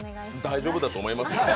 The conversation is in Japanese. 大丈夫だと思いますよ。